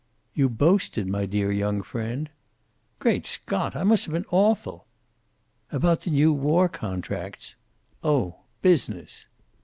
"You boasted, my dear young friend." "Great Scott! I must have been awful." "About the new war contracts." "Oh, business!"